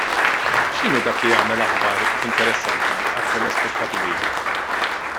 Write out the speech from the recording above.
X'inhu dak li jagħmel aħbar interessanti għat-telespettaturi?